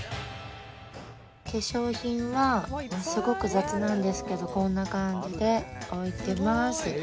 化粧品はすごく雑なんですけどこんな感じで置いています。